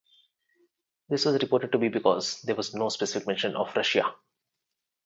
This was reported to be because there was no specific mention of Russia.